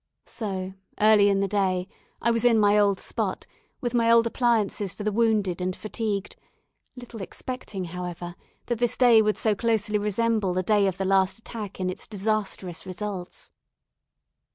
So, early in the day, I was in my old spot, with my old appliances for the wounded and fatigued; little expecting, however, that this day would so closely resemble the day of the last attack in its disastrous results.